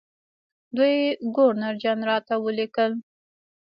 دوی ګورنرجنرال ته ولیکل.